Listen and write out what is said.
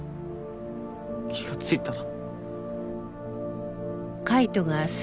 気がついたら。